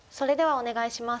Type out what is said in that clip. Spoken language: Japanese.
お願いします。